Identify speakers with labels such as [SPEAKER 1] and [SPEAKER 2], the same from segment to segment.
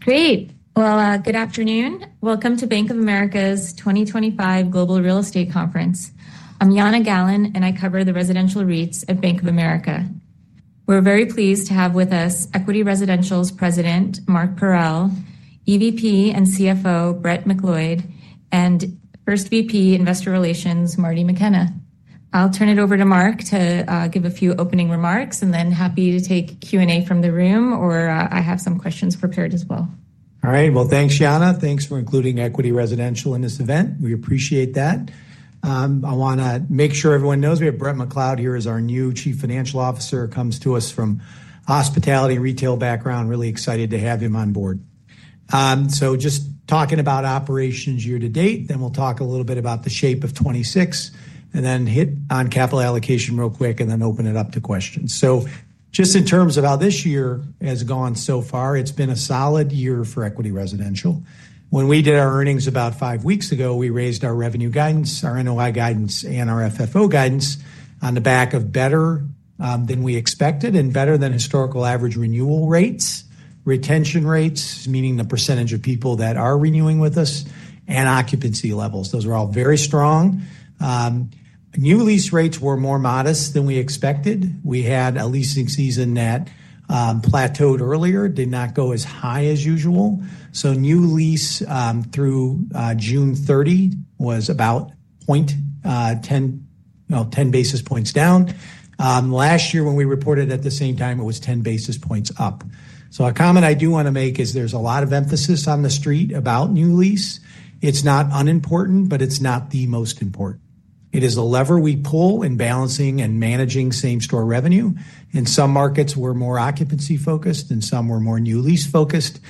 [SPEAKER 1] Great. Good afternoon. Welcome to Bank of America's 2025 Global Real Estate Conference. I'm Yana Gallen, and I cover the residential REITs at Bank of America. We're very pleased to have with us Equity Residential's President, Mark Parrell, EVP and CFO, Brett McLeod, and First VP Investor Relations, Marty McKenna. I'll turn it over to Mark to give a few opening remarks, and then happy to take Q&A from the room, or I have some questions prepared as well.
[SPEAKER 2] All right. Thanks, Yana. Thanks for including Equity Residential in this event. We appreciate that. I want to make sure everyone knows we have Brett McLeod here as our new Chief Financial Officer. He comes to us from a hospitality retail background. Really excited to have him on board. Just talking about operations year to date, then we'll talk a little bit about the shape of 2026, and then hit on capital allocation real quick, and then open it up to questions. Just in terms of how this year has gone so far, it's been a solid year for Equity Residential. When we did our earnings about five weeks ago, we raised our revenue guidance, our NOI guidance, and our FFO guidance on the back of better than we expected and better than historical average renewal rates, retention rates, meaning the percentage of people that are renewing with us, and occupancy levels. Those are all very strong. New lease rates were more modest than we expected. We had a leasing season that plateaued earlier, did not go as high as usual. New lease through June 30 was about 0.10, 10 basis points down. Last year, when we reported at the same time, it was 10 basis points up. A comment I do want to make is there's a lot of emphasis on the street about new lease. It's not unimportant, but it's not the most important. It is the lever we pull in balancing and managing same-store revenue. In some markets, we're more occupancy-focused, and some we're more new lease-focused.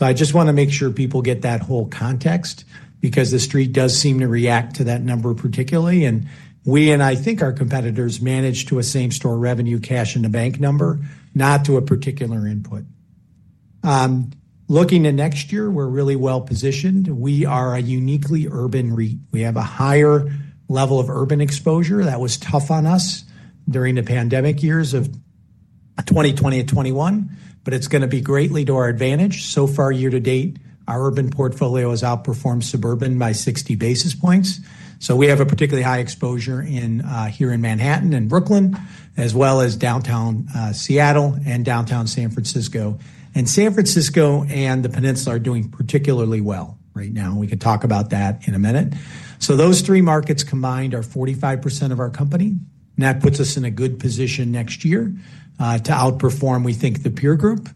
[SPEAKER 2] I just want to make sure people get that whole context because the street does seem to react to that number particularly. We and I think our competitors manage to a same-store revenue cash in the bank number, not to a particular input. Looking at next year, we're really well positioned. We are a uniquely urban REIT. We have a higher level of urban exposure that was tough on us during the pandemic years of 2020 and 2021, but it's going to be greatly to our advantage. So far, year to date, our urban portfolio has outperformed suburban by 60 basis points. We have a particularly high exposure here in Manhattan and Brooklyn, as well as downtown Seattle and downtown San Francisco. San Francisco and the peninsula are doing particularly well right now. We can talk about that in a minute. Those three markets combined are 45% of our company, and that puts us in a good position next year to outperform, we think, the peer group.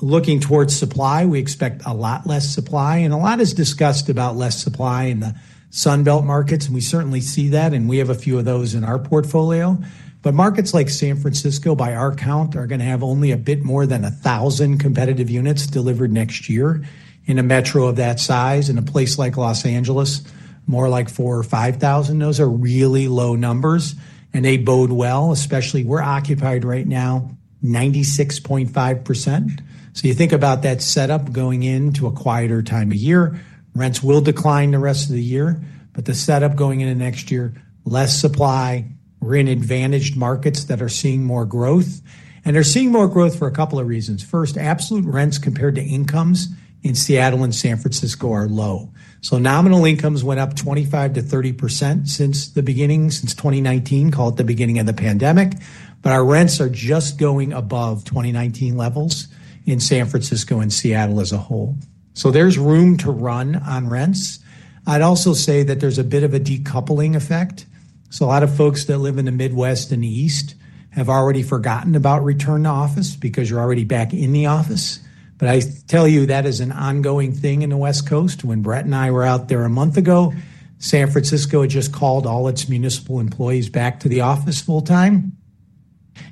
[SPEAKER 2] Looking towards supply, we expect a lot less supply, and a lot is discussed about less supply in the Sun Belt markets, and we certainly see that, and we have a few of those in our portfolio. Markets like San Francisco, by our count, are going to have only a bit more than 1,000 competitive units delivered next year in a metro of that size. In a place like Los Angeles, more like 4,000 or 5,000. Those are really low numbers, and they bode well, especially since we're occupied right now at 96.5%. You think about that setup going into a quieter time of year. Rents will decline the rest of the year, but the setup going into next year is less supply. We're in advantaged markets that are seeing more growth and are seeing more growth for a couple of reasons. First, absolute rents compared to incomes in Seattle and San Francisco are low. Nominal incomes went up 25%-30% since the beginning, since 2019, called the beginning of the pandemic, but our rents are just going above 2019 levels in San Francisco and Seattle as a whole. There's room to run on rents. I'd also say that there's a bit of a decoupling effect. A lot of folks that live in the Midwest and the East have already forgotten about return-to-office because you're already back in the office. I tell you, that is an ongoing thing in the West Coast. When Brett and I were out there a month ago, San Francisco had just called all its municipal employees back to the office full time.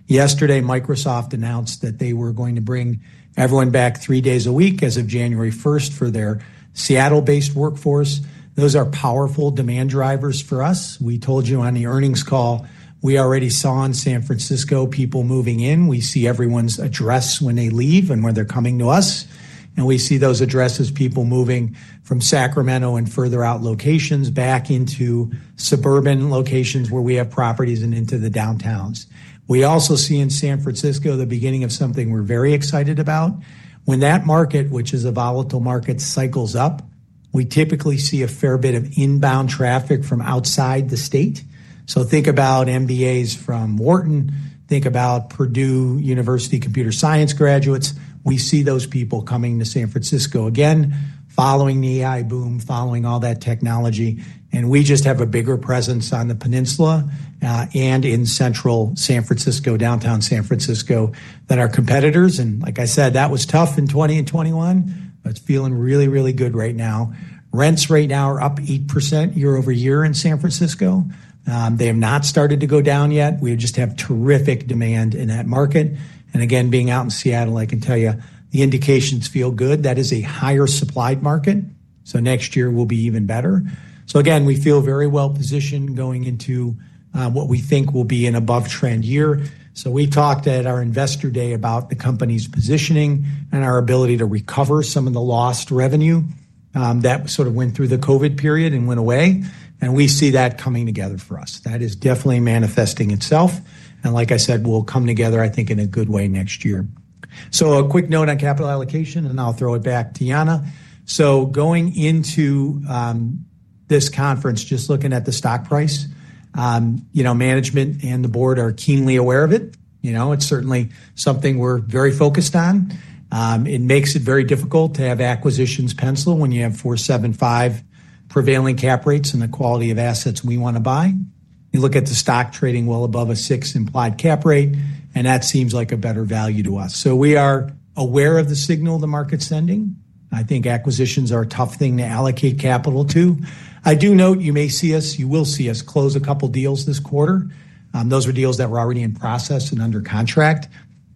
[SPEAKER 2] Yesterday, Microsoft announced that they were going to bring everyone back three days a week as of January 1st for their Seattle-based workforce. Those are powerful demand drivers for us. We told you on the earnings call, we already saw in San Francisco people moving in. We see everyone's address when they leave and when they're coming to us. We see those addresses, people moving from Sacramento and further out locations back into suburban locations where we have properties and into the downtowns. We also see in San Francisco the beginning of something we're very excited about. When that market, which is a volatile market, cycles up, we typically see a fair bit of inbound traffic from outside the state. Think about MBAs from Wharton. Think about Purdue University computer science graduates. We see those people coming to San Francisco again, following the AI boom, following all that technology. We just have a bigger presence on the peninsula and in central San Francisco, downtown San Francisco, than our competitors. Like I said, that was tough in 2020 and 2021, but it's feeling really, really good right now. Rents right now are up 8% year-over-year in San Francisco. They have not started to go down yet. We just have terrific demand in that market. Being out in Seattle, I can tell you the indications feel good. That is a higher supplied market. Next year will be even better. We feel very well positioned going into what we think will be an above-trend year. We talked at our Investor Day about the company's positioning and our ability to recover some of the lost revenue that went through the COVID period and went away. We see that coming together for us. That is definitely manifesting itself. Like I said, we'll come together, I think, in a good way next year. A quick note on capital allocation, and I'll throw it back to Yana. Going into this conference, just looking at the stock price, management and the board are keenly aware of it. It's certainly something we're very focused on. It makes it very difficult to have acquisitions pencil when you have 4.75% prevailing cap rates and the quality of assets we want to buy. You look at the stock trading well above a 6% implied cap rate, and that seems like a better value to us. We are aware of the signal the market's sending. I think acquisitions are a tough thing to allocate capital to. I do note you may see us, you will see us close a couple of deals this quarter. Those are deals that were already in process and under contract.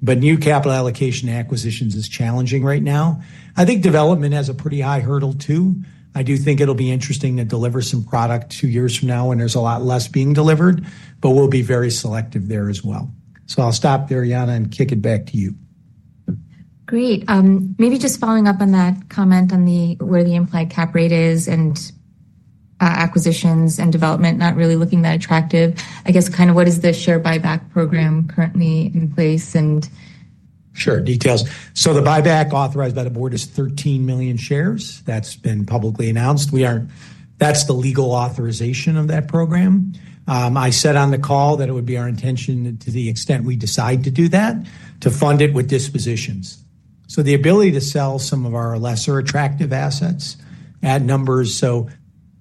[SPEAKER 2] New capital allocation acquisitions are challenging right now. I think development has a pretty high hurdle too. I do think it'll be interesting to deliver some product two years from now when there's a lot less being delivered, but we'll be very selective there as well. I'll stop there, Yana, and kick it back to you.
[SPEAKER 1] Great. Maybe just following up on that comment on where the implied cap rate is and acquisitions and development not really looking that attractive. I guess kind of what is the share buyback program currently in place and.
[SPEAKER 2] Sure, details. The buyback authorized by the board is 13 million shares. That's been publicly announced. That's the legal authorization of that program. I said on the call that it would be our intention, to the extent we decide to do that, to fund it with dispositions. The ability to sell some of our lesser attractive assets at numbers.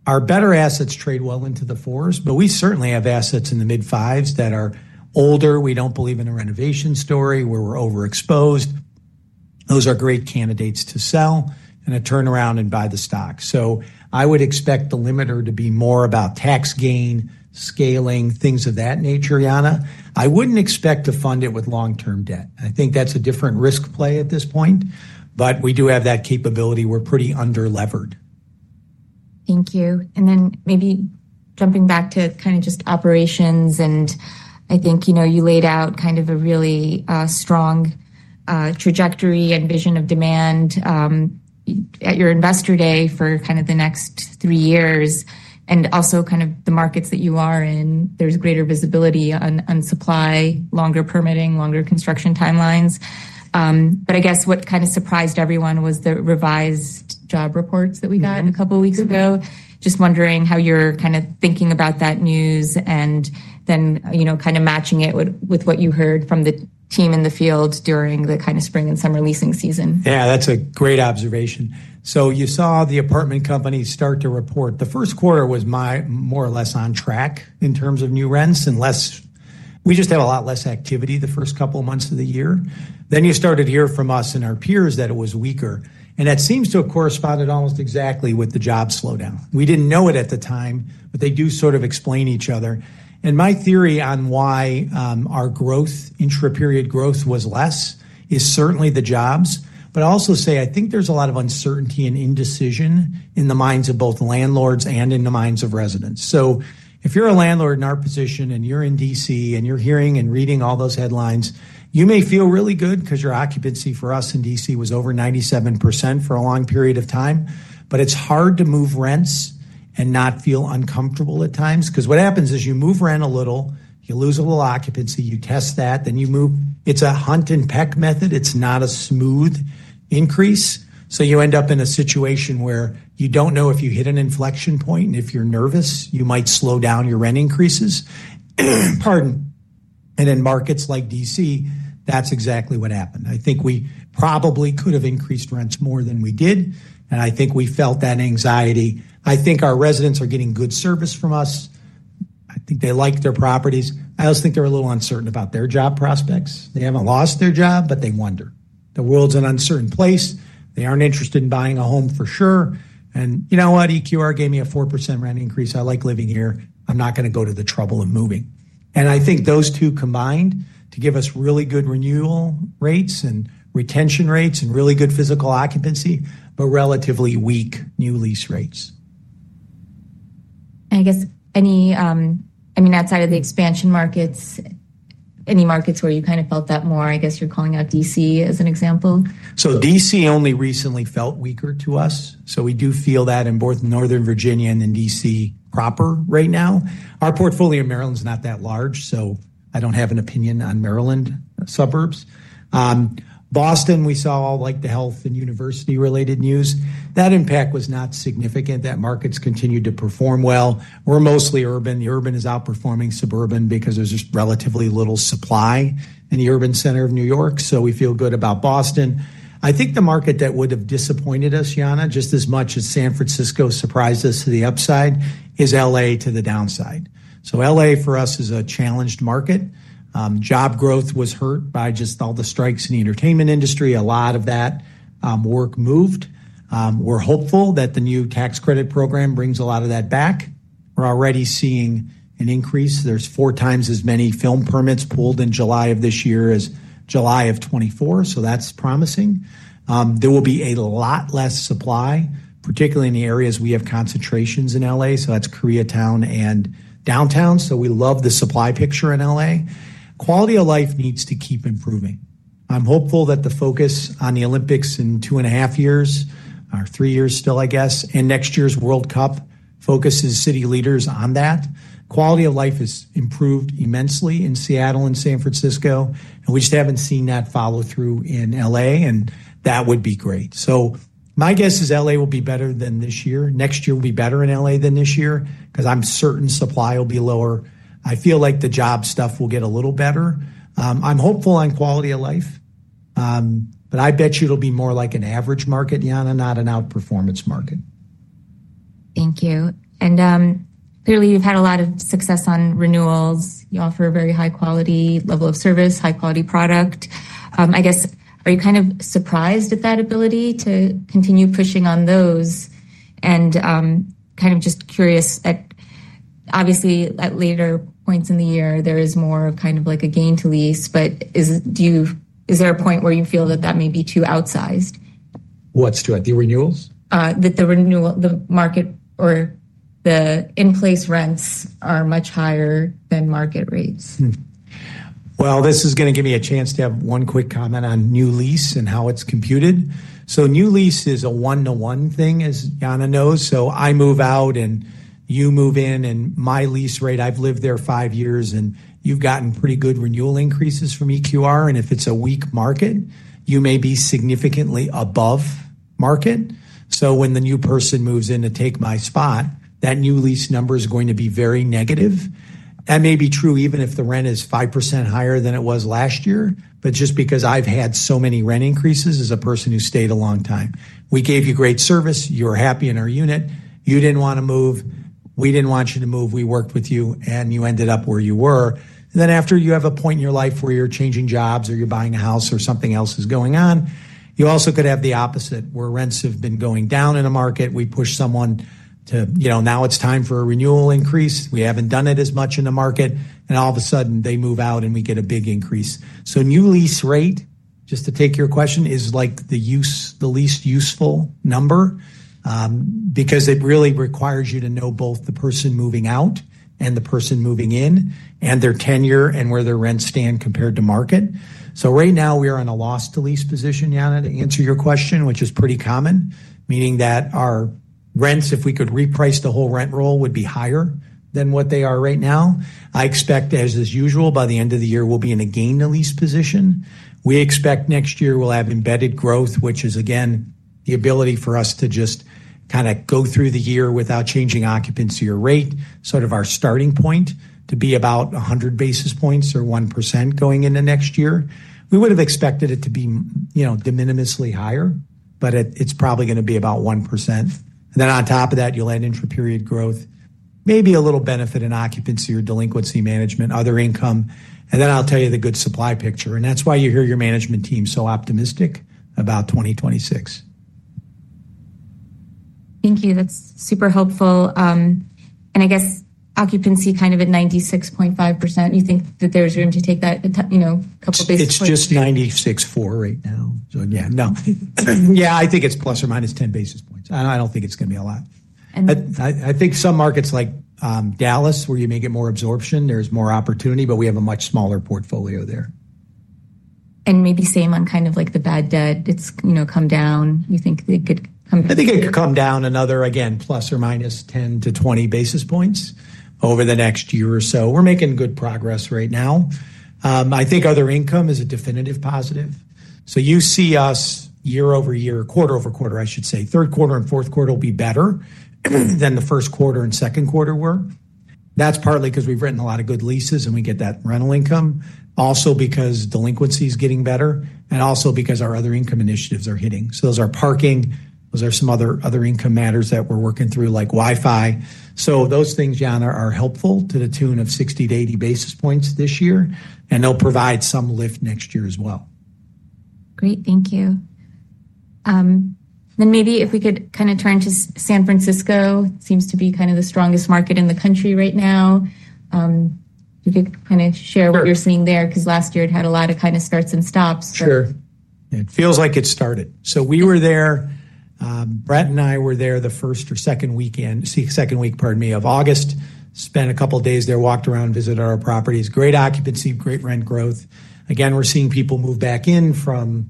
[SPEAKER 2] Our better assets trade well into the fours, but we certainly have assets in the mid-fives that are older. We don't believe in a renovation story where we're overexposed. Those are great candidates to sell and a turnaround and buy the stock. I would expect the limiter to be more about tax gain, scaling, things of that nature, Yana. I wouldn't expect to fund it with long-term debt. I think that's a different risk play at this point, but we do have that capability. We're pretty under-levered.
[SPEAKER 1] Thank you. Maybe jumping back to just operations, I think you laid out a really strong trajectory and vision of demand at your Investor Day for the next three years. Also, in the markets that you are in, there's greater visibility on supply, longer permitting, and longer construction timelines. I guess what surprised everyone was the revised job reports that we got a couple of weeks ago. Just wondering how you're thinking about that news and matching it with what you heard from the team in the field during the spring and summer leasing season.
[SPEAKER 2] Yeah, that's a great observation. You saw the apartment companies start to report. The first quarter was more or less on track in terms of new rents and less. We just have a lot less activity the first couple of months of the year. You started to hear from us and our peers that it was weaker. That seems to have corresponded almost exactly with the job slowdown. We didn't know it at the time, but they do sort of explain each other. My theory on why our growth, intra-period growth was less, is certainly the jobs. I'll also say I think there's a lot of uncertainty and indecision in the minds of both landlords and in the minds of residents. If you're a landlord in our position and you're in D.C. and you're hearing and reading all those headlines, you may feel really good because your occupancy for us in D.C. was over 97% for a long period of time. It's hard to move rents and not feel uncomfortable at times. What happens is you move rent a little, you lose a little occupancy, you test that, then you move. It's a hunt-and-peck method. It's not a smooth increase. You end up in a situation where you don't know if you hit an inflection point and if you're nervous, you might slow down your rent increases. In markets like D.C., that's exactly what happened. I think we probably could have increased rents more than we did. I think we felt that anxiety. I think our residents are getting good service from us. I think they like their properties. I also think they're a little uncertain about their job prospects. They haven't lost their job, but they wonder. The world's an uncertain place. They aren't interested in buying a home for sure. You know what? EQR gave me a 4% rent increase. I like living here. I'm not going to go to the trouble of moving. I think those two combined to give us really good renewal rates and retention rates and really good physical occupancy, but relatively weak new lease rates.
[SPEAKER 1] Outside of the expansion markets, any markets where you kind of felt that more? I guess you're calling out D.C. as an example.
[SPEAKER 2] D.C. only recently felt weaker to us. We do feel that in both Northern Virginia and in D.C. proper right now. Our portfolio in Maryland is not that large, so I don't have an opinion on Maryland suburbs. Boston, we saw all the health and university-related news. That impact was not significant. That market's continued to perform well. We're mostly urban. The urban is outperforming suburban because there's just relatively little supply in the urban center of New York. We feel good about Boston. I think the market that would have disappointed us, Yana, just as much as San Francisco surprised us to the upside, is L.A. to the downside. L.A. for us is a challenged market. Job growth was hurt by all the strikes in the entertainment industry. A lot of that work moved. We're hopeful that the new tax credit program brings a lot of that back. We're already seeing an increase. There are four times as many film permits pulled in July of this year as July of 2024. That's promising. There will be a lot less supply, particularly in the areas we have concentrations in L.A. That's Koreatown and downtown. We love the supply picture in L.A. Quality of life needs to keep improving. I'm hopeful that the focus on the Olympics in two and a half years, or three years still, I guess, and next year's World Cup focuses city leaders on that. Quality of life has improved immensely in Seattle and San Francisco, and we just haven't seen that follow-through in L.A., and that would be great. My guess is L.A. will be better than this year. Next year will be better in L.A. than this year because I'm certain supply will be lower. I feel like the job stuff will get a little better. I'm hopeful on quality of life, but I bet you it'll be more like an average market, Yana, not an outperformance market.
[SPEAKER 1] Thank you. You've had a lot of success on renewals. You offer a very high-quality level of service, high-quality product. I guess, are you kind of surprised at that ability to continue pushing on those? I'm just curious, obviously, at later points in the year, there is more kind of like a gain to lease, but is there a point where you feel that that may be too outsized?
[SPEAKER 2] What's too outsized?
[SPEAKER 1] The renewals, the market, or the in-place rents are much higher than market rates.
[SPEAKER 2] This is going to give me a chance to have one quick comment on new lease and how it's computed. New lease is a one-to-one thing, as Yana knows. I move out and you move in, and my lease rate, I've lived there five years, and you've gotten pretty good renewal increases from EQR. If it's a weak market, you may be significantly above market. When the new person moves in to take my spot, that new lease number is going to be very negative. That may be true even if the rent is 5% higher than it was last year, just because I've had so many rent increases as a person who stayed a long time. We gave you great service. You were happy in our unit. You didn't want to move. We didn't want you to move. We worked with you, and you ended up where you were. After you have a point in your life where you're changing jobs or you're buying a house or something else is going on, you also could have the opposite where rents have been going down in a market. We push someone to, you know, now it's time for a renewal increase. We haven't done it as much in the market, and all of a sudden they move out and we get a big increase. New lease rate, just to take your question, is like the least useful number because it really requires you to know both the person moving out and the person moving in and their tenure and where their rents stand compared to market. Right now we are in a loss-to-lease position, Yana, to answer your question, which is pretty common, meaning that our rents, if we could reprice the whole rent roll, would be higher than what they are right now. I expect, as is usual, by the end of the year, we'll be in a gain-to-lease position. We expect next year we'll have embedded growth, which is, again, the ability for us to just kind of go through the year without changing occupancy or rate, sort of our starting point to be about 100 basis points or 1% going into next year. We would have expected it to be, you know, de minimisly higher, but it's probably going to be about 1%. On top of that, you'll add intra-period growth, maybe a little benefit in occupancy or delinquency management, other income, and I'll tell you the good supply picture. That's why you hear your management team so optimistic about 2026.
[SPEAKER 1] Thank you. That's super helpful. I guess occupancy kind of at 96.5%, you think that there's room to take that, you know, a couple of basis points?
[SPEAKER 2] It's just 96.4% right now. Yeah, I think it's ±10 basis points. I don't think it's going to be a lot. I think some markets like Dallas, where you may get more absorption, there's more opportunity, but we have a much smaller portfolio there.
[SPEAKER 1] Maybe same on kind of like the bad debt. It's come down. You think it could come down?
[SPEAKER 2] I think it could come down another, again, ±10-20 basis points over the next year or so. We're making good progress right now. I think other income is a definitive positive. You see us year-over-year, quarter-over-quarter. I should say, third quarter and fourth quarter will be better than the first quarter and second quarter were. That's partly because we've written a lot of good leases and we get that rental income, also because delinquency is getting better, and also because our other income initiatives are hitting. Those are parking. Those are some other income matters that we're working through, like Wi-Fi. Those things, Yana, are helpful to the tune of 60-80 basis points this year, and they'll provide some lift next year as well.
[SPEAKER 1] Great. Thank you. Maybe if we could kind of turn to San Francisco, it seems to be kind of the strongest market in the country right now. You could kind of share what you're seeing there because last year it had a lot of kind of starts and stops.
[SPEAKER 2] Sure. It feels like it started. We were there. Brett and I were there the first or second week, pardon me, of August, spent a couple of days there, walked around, visited our properties. Great occupancy, great rent growth. We're seeing people move back in from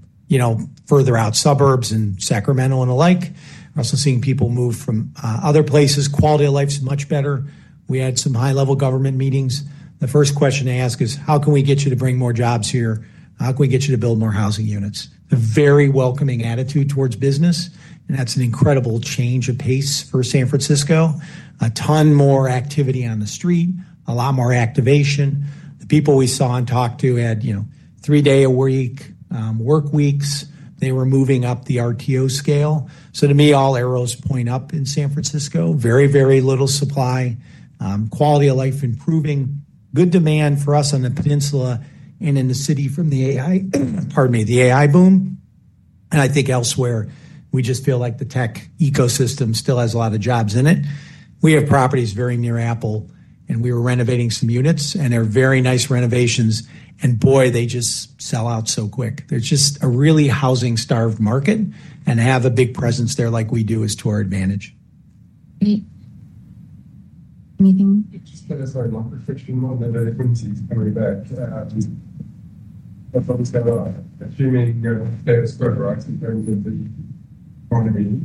[SPEAKER 2] further out suburbs in Sacramento and the like. We're also seeing people move from other places. Quality of life is much better. We had some high-level government meetings. The first question they ask is, how can we get you to bring more jobs here? How can we get you to build more housing units? A very welcoming attitude towards business, and that's an incredible change of pace for San Francisco. A ton more activity on the street, a lot more activation. The people we saw and talked to had three-day a week work weeks. They were moving up the RTO scale. To me, all arrows point up in San Francisco. Very, very little supply. Quality of life improving. Good demand for us on the peninsula and in the city from the AI boom. I think elsewhere, we just feel like the tech ecosystem still has a lot of jobs in it. We have properties very near Apple, and we were renovating some units, and they're very nice renovations. They just sell out so quick. There's just a really housing-starved market and to have a big presence there like we do is to our advantage.
[SPEAKER 1] Great. Anything?
[SPEAKER 3] It's just interesting as well. We're fixing more liberal things into somebody's bag. That's obviously a lot. I'm assuming there are spare rights in terms of the bargaining. You've got the dogs' flow at the moment. It shouldn't be deteriorating on the labor market, that's the total picture there. What is your, I mean, how would you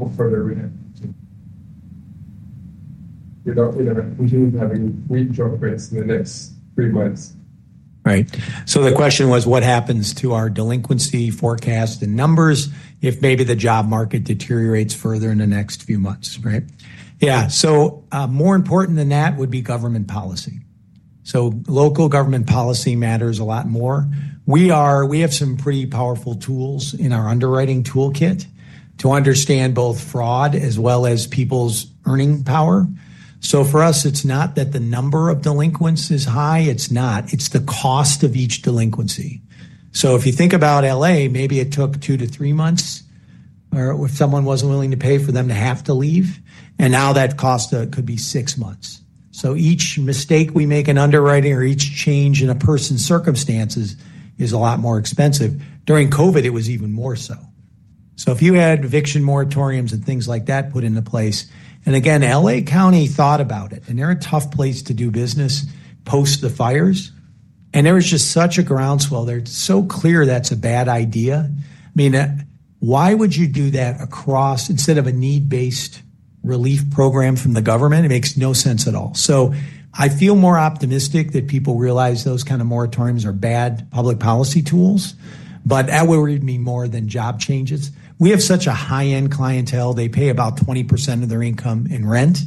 [SPEAKER 3] offer the rehab? We don't have any wind droplets near this freeways.
[SPEAKER 2] Right. The question was what happens to our delinquency forecast and numbers if maybe the job market deteriorates further in the next few months, right? More important than that would be government policy. Local government policy matters a lot more. We have some pretty powerful tools in our underwriting toolkit to understand both fraud as well as people's earning power. For us, it's not that the number of delinquents is high. It's not. It's the cost of each delinquency. If you think about Los Angeles, maybe it took two to three months or if someone wasn't willing to pay for them to have to leave, and now that cost could be six months. Each mistake we make in underwriting or each change in a person's circumstances is a lot more expensive. During COVID, it was even more so. If you had eviction moratoriums and things like that put into place, and again, L.A. County thought about it, and they're a tough place to do business post the fires, and there was just such a groundswell there. It's so clear that's a bad idea. I mean, why would you do that instead of a need-based relief program from the government? It makes no sense at all. I feel more optimistic that people realize those kind of moratoriums are bad public policy tools, but that would mean more than job changes. We have such a high-end clientele. They pay about 20% of their income in rent.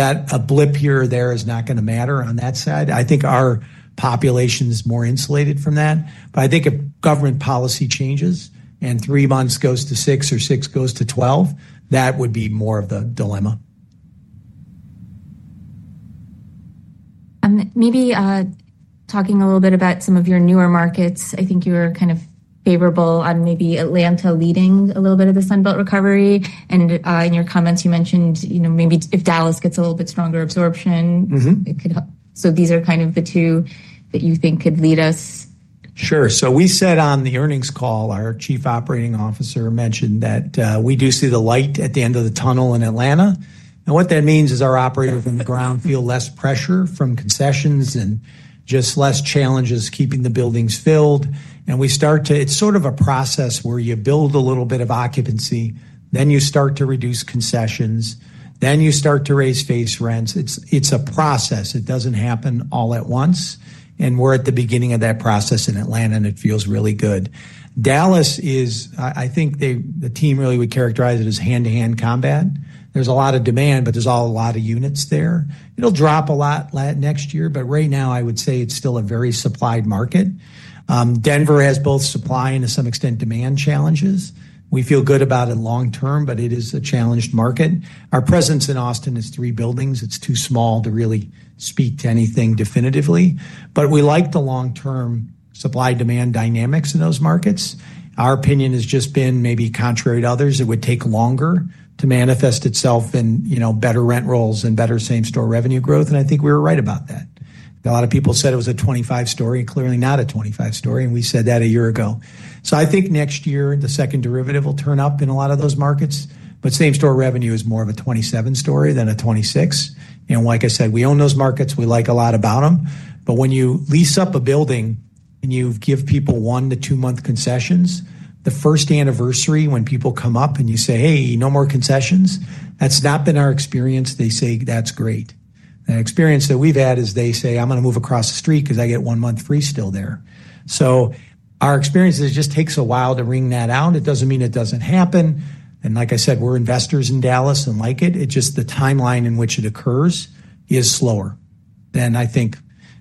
[SPEAKER 2] A blip here or there is not going to matter on that side. I think our population is more insulated from that. If government policy changes and three months goes to six or six goes to 12, that would be more of the dilemma.
[SPEAKER 1] Maybe talking a little bit about some of your newer markets, I think you were kind of favorable on maybe Atlanta leading a little bit of the Sun Belt recovery. In your comments, you mentioned, you know, maybe if Dallas gets a little bit stronger absorption, it could help. These are kind of the two that you think could lead us.
[SPEAKER 2] Sure. We said on the earnings call, our Chief Operating Officer mentioned that we do see the light at the end of the tunnel in Atlanta. What that means is our operators on the ground feel less pressure from concessions and just less challenges keeping the buildings filled. We start to, it's sort of a process where you build a little bit of occupancy, then you start to reduce concessions, then you start to raise face rents. It's a process. It doesn't happen all at once. We're at the beginning of that process in Atlanta, and it feels really good. Dallas is, I think the team really would characterize it as hand-to-hand combat. There's a lot of demand, but there's a lot of units there. It'll drop a lot next year, but right now I would say it's still a very supplied market. Denver has both supply and to some extent demand challenges. We feel good about it long term, but it is a challenged market. Our presence in Austin is three buildings. It's too small to really speak to anything definitively. We like the long-term supply-demand dynamics in those markets. Our opinion has just been maybe contrary to others. It would take longer to manifest itself in better rent rolls and better same-store revenue growth. I think we were right about that. A lot of people said it was a 25% story, and clearly not a 25% story, and we said that a year ago. I think next year, the second derivative will turn up in a lot of those markets, but same-store revenue is more of a 27% story than a 26%. Like I said, we own those markets. We like a lot about them. When you lease up a building and you give people one to two month concessions, the first anniversary when people come up and you say, "Hey, no more concessions," that's not been our experience. They say, "That's great." The experience that we've had is they say, "I'm going to move across the street because I get one month free still there." Our experience is it just takes a while to wring that out. It doesn't mean it doesn't happen. Like I said, we're investors in Dallas and like it. It's just the timeline in which it occurs is slower than I think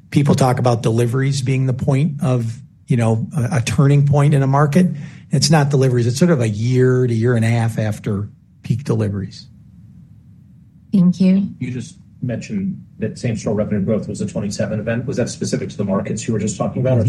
[SPEAKER 2] people talk about deliveries being the point of a turning point in a market. It's not deliveries. It's sort of a year to year and a half after peak deliveries.
[SPEAKER 1] Thank you.
[SPEAKER 4] You just mentioned that same-store revenue growth was a [27% event]. Was that specific to the markets you were just talking about?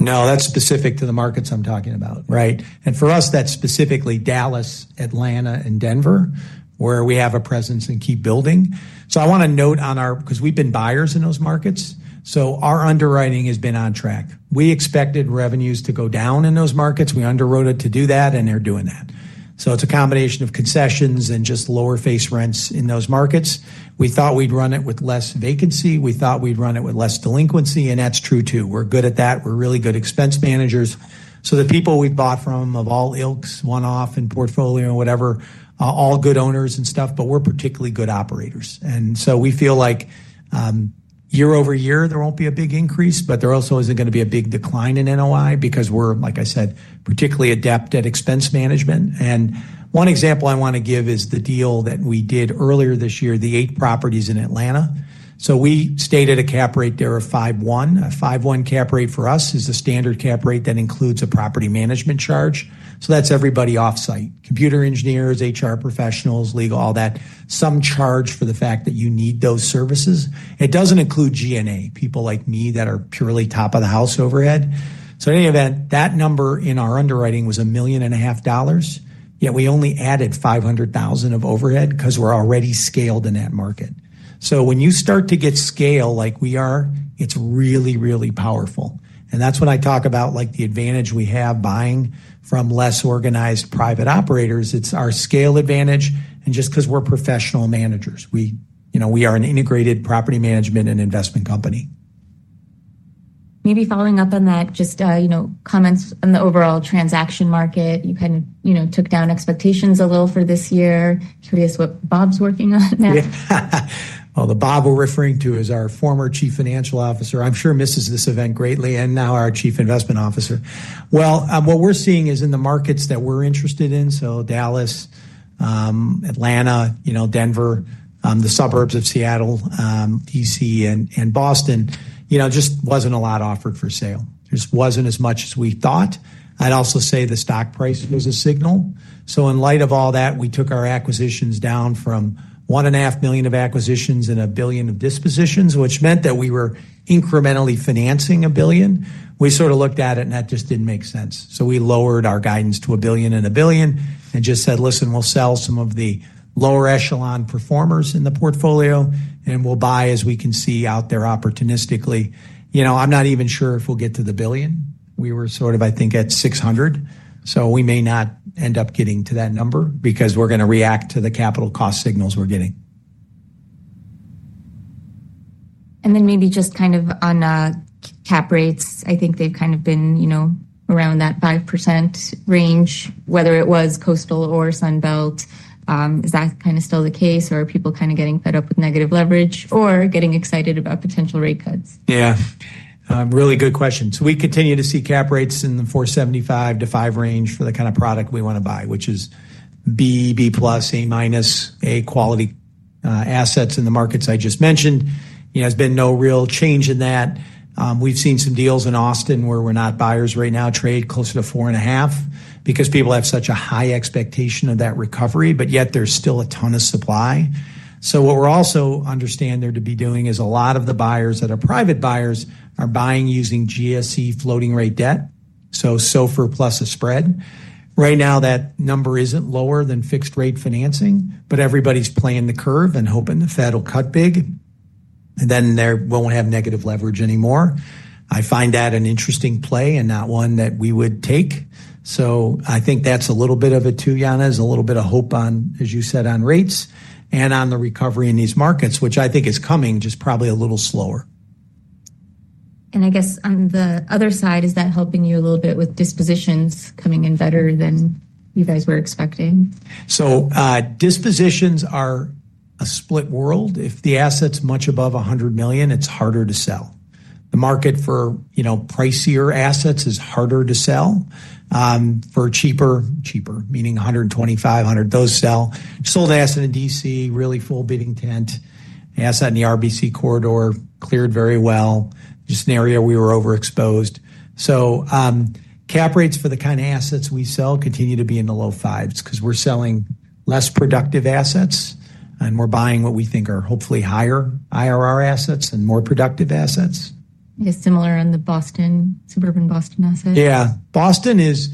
[SPEAKER 2] No, that's specific to the markets I'm talking about. Right. For us, that's specifically Dallas, Atlanta, and Denver, where we have a presence and keep building. I want to note on our, because we've been buyers in those markets. Our underwriting has been on track. We expected revenues to go down in those markets. We underwrote it to do that, and they're doing that. It's a combination of concessions and just lower face rents in those markets. We thought we'd run it with less vacancy. We thought we'd run it with less delinquency, and that's true too. We're good at that. We're really good expense managers. The people we bought from of all ilks, one-off and portfolio and whatever, all good owners and stuff, but we're particularly good operators. We feel like year-over-year, there won't be a big increase, but there also isn't going to be a big decline in NOI because we're, like I said, particularly adept at expense management. One example I want to give is the deal that we did earlier this year, the eight properties in Atlanta. We stayed at a cap rate there of 5.1%. A 5.1% cap rate for us is a standard cap rate that includes a property management charge. That's everybody off-site: computer engineers, HR professionals, legal, all that. Some charge for the fact that you need those services. It doesn't include G&A, people like me that are purely top of the house overhead. In any event, that number in our underwriting was $1.5 million. Yet we only added $500,000 of overhead because we're already scaled in that market. When you start to get scale like we are, it's really, really powerful. That's what I talk about, like the advantage we have buying from less organized private operators. It's our scale advantage. Just because we're professional managers, we are an integrated property management and investment company.
[SPEAKER 1] Maybe following up on that, comments on the overall transaction market. You kind of took down expectations a little for this year. Curious what Bob's working on now.
[SPEAKER 2] Oh, the Bob we're referring to is our former Chief Financial Officer. I'm sure misses this event greatly and now our Chief Investment Officer. What we're seeing is in the markets that we're interested in, so Dallas, Atlanta, Denver, the suburbs of Seattle, D.C., and Boston, there just wasn't a lot offered for sale. There just wasn't as much as we thought. I'd also say the stock price is a signal. In light of all that, we took our acquisitions down from $1.5 million of acquisitions and $1 billion of dispositions, which meant that we were incrementally financing $1 billion. We sort of looked at it and that just didn't make sense. We lowered our guidance to $1 billion and $1 billion and just said, "Listen, we'll sell some of the lower echelon performers in the portfolio and we'll buy as we can see out there opportunistically." I'm not even sure if we'll get to the $1 billion. We were sort of, I think, at $600 million. We may not end up getting to that number because we're going to react to the capital cost signals we're getting.
[SPEAKER 1] On cap rates, I think they've kind of been around that 5% range, whether it was coastal or Sun Belt. Is that still the case, or are people getting fed up with negative leverage or getting excited about potential rate cuts?
[SPEAKER 2] Yeah, really good question. We continue to see cap rates in the 4.75%-5% range for the kind of product we want to buy, which is B, B+, A-, A quality assets in the markets I just mentioned. There's been no real change in that. We've seen some deals in Austin where we're not buyers right now trade closer to 4.5% because people have such a high expectation of that recovery, but yet there's still a ton of supply. What we're also understanding there to be doing is a lot of the buyers that are private buyers are buying using GSE floating rate debt, so SOFR plus a spread. Right now, that number isn't lower than fixed rate financing, but everybody's playing the curve and hoping the Fed will cut big, and then they won't have negative leverage anymore. I find that an interesting play and not one that we would take. I think that's a little bit of it too, Yana, is a little bit of hope on, as you said, on rates and on the recovery in these markets, which I think is coming just probably a little slower.
[SPEAKER 1] Is that helping you a little bit with dispositions coming in better than you guys were expecting?
[SPEAKER 2] Dispositions are a split world. If the asset's much above $100 million, it's harder to sell. The market for pricier assets is harder to sell. For cheaper, cheaper meaning $125 million, $100 million, those sell. Sold asset in D.C., really full bidding tent. Asset in the RBC corridor cleared very well. Just an area we were overexposed. Cap rates for the kind of assets we sell continue to be in the low 5% because we're selling less productive assets, and we're buying what we think are hopefully higher IRR assets and more productive assets.
[SPEAKER 1] Yeah, similar in the Boston, suburban Boston assets.
[SPEAKER 2] Yeah, Boston is,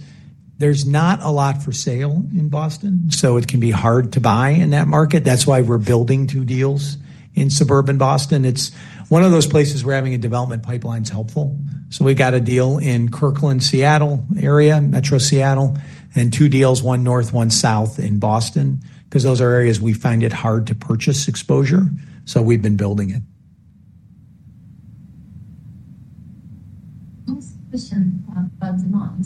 [SPEAKER 2] there's not a lot for sale in Boston, so it can be hard to buy in that market. That's why we're building two deals in suburban Boston. It's one of those places where having a development pipeline is helpful. We've got a deal in Kirkland, Seattle area, Metro Seattle, and two deals, one north, one south in Boston, because those are areas we find it hard to purchase exposure. We've been building it.
[SPEAKER 5] Question about demand.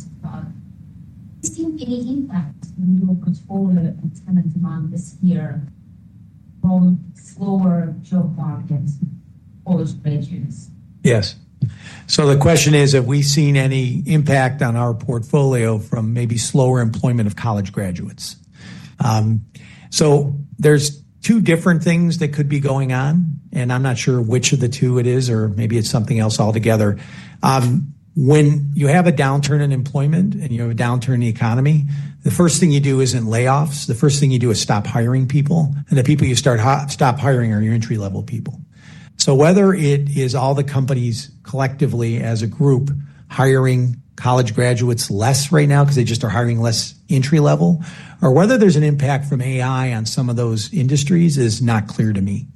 [SPEAKER 5] Is there any impact in your portfolio on the demand this year from slower job markets?
[SPEAKER 2] Yes. The question is, have we seen any impact on our portfolio from maybe slower employment of college graduates? There are two different things that could be going on, and I'm not sure which of the two it is, or maybe it's something else altogether. When you have a downturn in employment and you have a downturn in the economy, the first thing you do is stop hiring people, and the people you stop hiring are your entry-level people. Whether it is all the companies collectively as a group hiring college graduates less right now because they just are hiring less entry-level, or whether there's an impact from AI on some of those industries is not clear to me.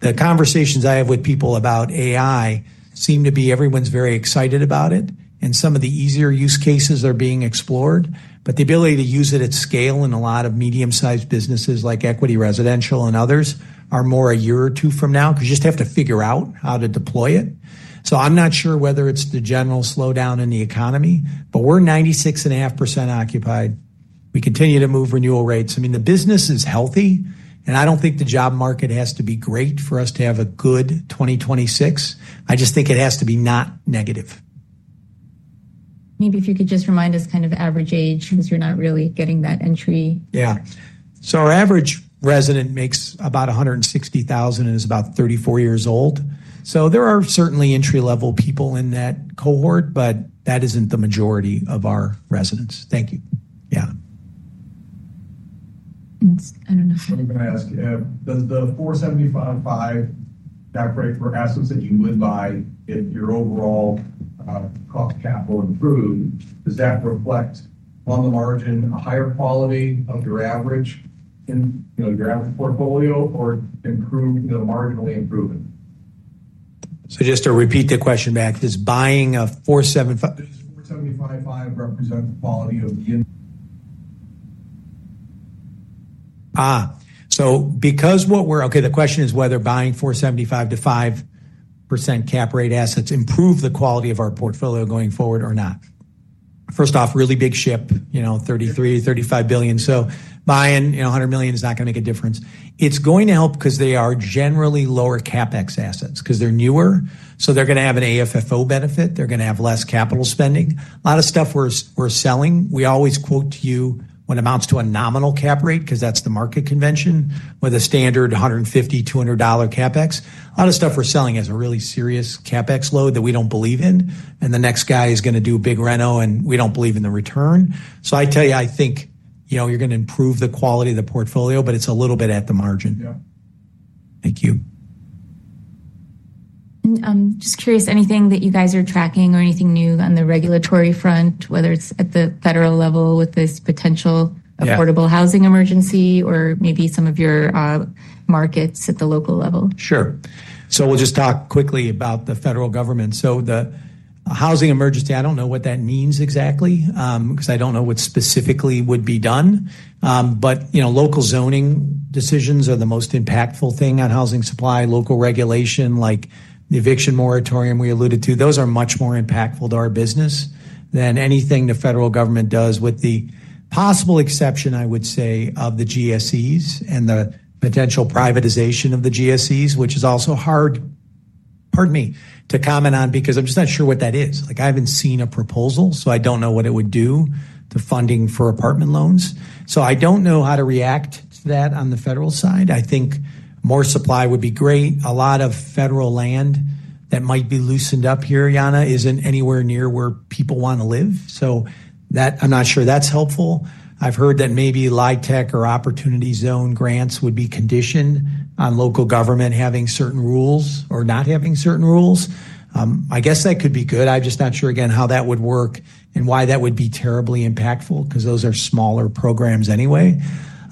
[SPEAKER 2] The conversations I have with people about AI seem to be everyone's very excited about it, and some of the easier use cases are being explored, but the ability to use it at scale in a lot of medium-sized businesses like Equity Residential and others are more a year or two from now because you just have to figure out how to deploy it. I'm not sure whether it's the general slowdown in the economy, but we're 96.5% occupied. We continue to move renewal rates. The business is healthy, and I don't think the job market has to be great for us to have a good 2026. I just think it has to be not negative.
[SPEAKER 1] Maybe if you could just remind us kind of average age, because we're not really getting that entry.
[SPEAKER 2] Yeah. Average resident makes about $160,000 and is about 34 years old. There are certainly entry-level people in that cohort, but that isn't the majority of our residents. Thank you. Yeah.
[SPEAKER 6] I'm just going to ask you, the 4.75%, 5% cap rate for assets that you would buy in your overall cost of capital improved, does that reflect, long and large, a higher quality of your average portfolio or improve, you know, marginally improve it?
[SPEAKER 2] Just to repeat the question back, is buying at a 4.75%-5% cap rate representing the quality of the—okay, the question is whether buying 4.75%-5% cap rate assets improves the quality of our portfolio going forward or not. First off, really big ship, you know, $33 billion-$35 billion. Buying $100 million is not going to make a difference. It's going to help because they are generally lower CapEx assets because they're newer. They're going to have an AFFO benefit. They're going to have less capital spending. A lot of stuff we're selling, we always quote to you when it amounts to a nominal cap rate because that's the market convention with a standard $150, $200 CapEx. A lot of stuff we're selling has a really serious CapEx load that we don't believe in. The next guy is going to do a big reno and we don't believe in the return. I think you're going to improve the quality of the portfolio, but it's a little bit at the margin.
[SPEAKER 6] Yeah. Thank you.
[SPEAKER 1] I'm just curious, anything that you guys are tracking or anything new on the regulatory front, whether it's at the federal level with this potential affordable housing emergency or maybe some of your markets at the local level?
[SPEAKER 2] Sure. We'll just talk quickly about the federal government. The housing emergency, I don't know what that means exactly because I don't know what specifically would be done. Local zoning decisions are the most impactful thing on housing supply, local regulation like the eviction moratorium we alluded to. Those are much more impactful to our business than anything the federal government does with the possible exception, I would say, of the GSEs and the potential privatization of the GSEs, which is also hard, pardon me, to comment on because I'm just not sure what that is. I haven't seen a proposal, so I don't know what it would do to funding for apartment loans. I don't know how to react to that on the federal side. I think more supply would be great. A lot of federal land that might be loosened up here, Yana, isn't anywhere near where people want to live. I'm not sure that's helpful. I've heard that maybe LIHTC or Opportunity Zone grants would be conditioned on local government having certain rules or not having certain rules. I guess that could be good. I'm just not sure, again, how that would work and why that would be terribly impactful because those are smaller programs anyway.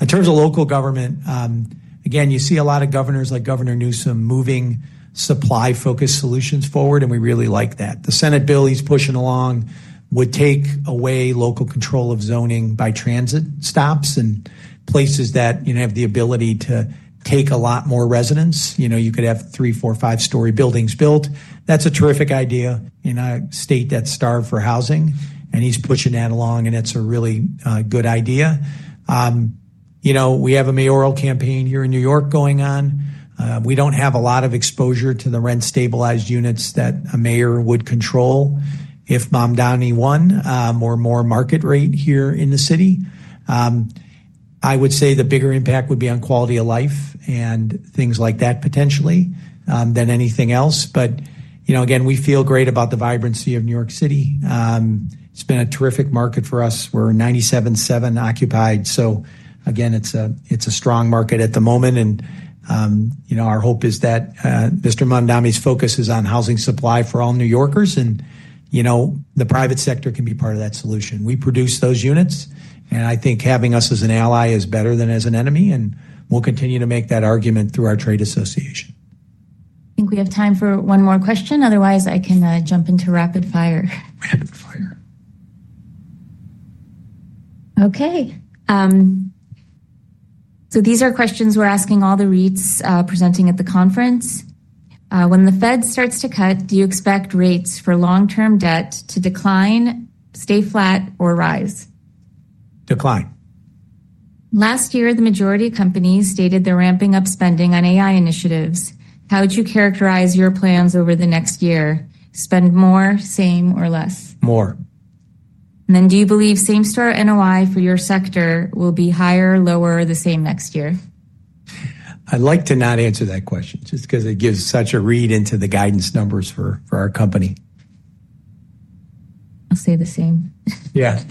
[SPEAKER 2] In terms of local government, you see a lot of governors like Governor Newsom moving supply-focused solutions forward, and we really like that. The Senate bill he's pushing along would take away local control of zoning by transit stops and places that have the ability to take a lot more residents. You could have three, four, five-storey buildings built. That's a terrific idea in a state that's starved for housing, and he's pushing that along, and it's a really good idea. We have a mayoral campaign here in New York going on. We don't have a lot of exposure to the rent-stabilized units that a mayor would control if Mamdani won or more market rate here in the city. I would say the bigger impact would be on quality of life and things like that potentially than anything else. We feel great about the vibrancy of New York City. It's been a terrific market for us. We're 97.7% occupied. It's a strong market at the moment. Our hope is that Mr. Mamdani's focus is on housing supply for all New Yorkers. The private sector can be part of that solution. We produce those units, and I think having us as an ally is better than as an enemy. We'll continue to make that argument through our trade association.
[SPEAKER 1] I think we have time for one more question. Otherwise, I can jump into rapid fire.
[SPEAKER 2] Rapid fire.
[SPEAKER 1] Okay. These are questions we're asking all the REITs presenting at the conference. When the Fed starts to cut, do you expect rates for long-term debt to decline, stay flat, or rise?
[SPEAKER 2] Decline.
[SPEAKER 1] Last year, the majority of companies stated they're ramping up spending on AI initiatives. How would you characterize your plans over the next year? Spend more, same, or less?
[SPEAKER 2] More.
[SPEAKER 1] Do you believe same-store NOI for your sector will be higher, lower, or the same next year?
[SPEAKER 2] I'd like to not answer that question just because it gives such a read into the guidance numbers for our company.
[SPEAKER 1] I'll say the same.
[SPEAKER 2] Yeah.